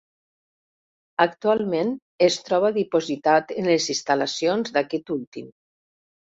Actualment es troba dipositat en les instal·lacions d'aquest últim.